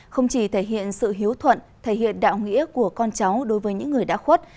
không chỉ thể hiện sự hiếu thuận thể hiện đạo nghĩa của con cháu đối với những người đã khuất